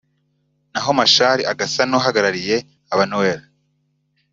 naho Machar agasa n’uhagarariye aba-Nuer